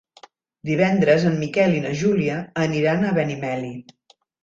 Divendres en Miquel i na Júlia aniran a Benimeli.